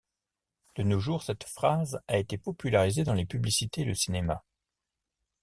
De nos jours, cette phrase a été popularisée dans les publicités et le cinéma.